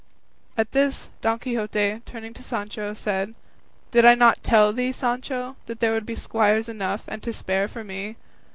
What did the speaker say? At this, Don Quixote, turning to Sancho, said, "Did I not tell thee, Sancho, there would be squires enough and to spare for me?